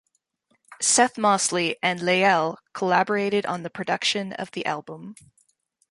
Seth Mosley and Lael collaborated on the production of the album.